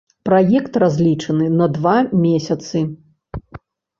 Праект разлічаны на два месяцы.